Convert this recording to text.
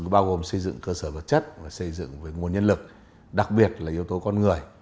bao gồm xây dựng cơ sở vật chất và xây dựng về nguồn nhân lực đặc biệt là yếu tố con người